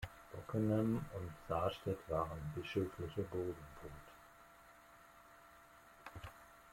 Bockenem und Sarstedt waren bischöfliche Burgen.